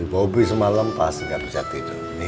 bobby semalam pasti gak bisa tidur